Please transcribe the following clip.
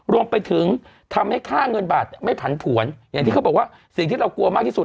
รวมไปถึงทำให้ค่าเงินบาทไม่ผันผวนอย่างที่เขาบอกว่าสิ่งที่เรากลัวมากที่สุด